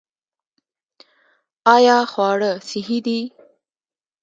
آیا خواړه صحي دي؟